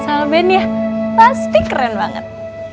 sama bandnya pasti keren banget